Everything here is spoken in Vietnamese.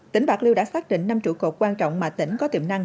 tỉnh bạc liêu đã xác định năm trụ cột quan trọng mà tỉnh có tiềm năng